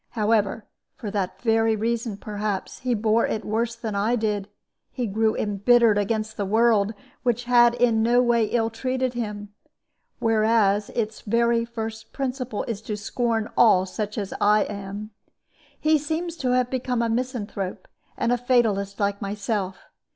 However, for that very reason, perhaps, he bore it worse than I did. He grew imbittered against the world, which had in no way ill treated him; whereas its very first principle is to scorn all such as I am. He seems to have become a misanthrope, and a fatalist like myself.